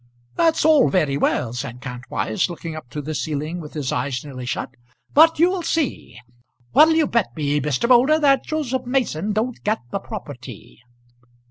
"That's all very well," said Kantwise, looking up to the ceiling with his eyes nearly shut. "But you'll see. What'll you bet me, Mr. Moulder, that Joseph Mason don't get the property?"